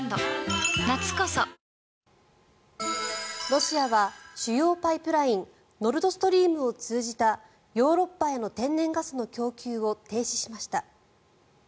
ロシアは主要パイプラインノルド・ストリームを通じたヨーロッパへの天然ガスの供給を停止しました。